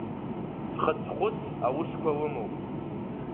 Хыцәхәыц аусқәа лымоуп…